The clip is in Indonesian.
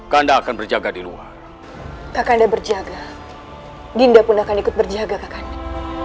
kanda akan berjaga di luar tak ada berjaga dinda pun akan ikut berjaga kakaknya